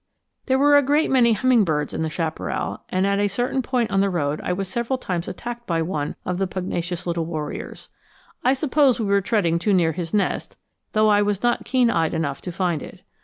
There were a great many hummingbirds in the chaparral, and at a certain point on the road I was several times attacked by one of the pugnacious little warriors. I suppose we were treading too near his nest, though I was not keen eyed enough to find it.